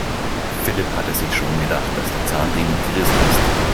Philipp hatte sich schon gedacht, dass der Zahnriemen gerissen ist.